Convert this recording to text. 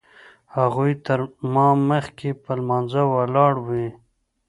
هغوی تر ما مخکې په لمانځه ولاړ وي.